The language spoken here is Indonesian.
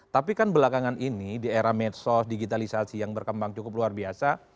tapi kan belakangan ini di era medsos digitalisasi yang berkembang cukup luar biasa